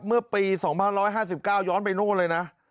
เมื่อปี๒๕๕๙ย้อนไปนู่นเลยนะ